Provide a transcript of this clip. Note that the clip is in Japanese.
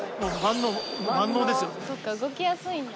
そっか動きやすいんだ。